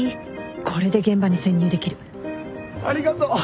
これで現場に潜入できるありがとう。